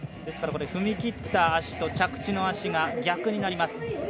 ですから、踏みきった足と着地の足が逆になります。